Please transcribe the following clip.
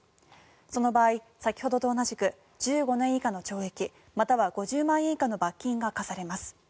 その場合、先ほどと同じく１５年以下の懲役または５０万円以下の罰金が科されます。